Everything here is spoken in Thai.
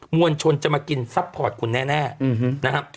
วลชนจะมากินซัพพอร์ตคุณแน่นะครับ